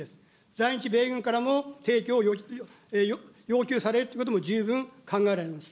在日米軍からも提供を要求されるということも十分考えられます。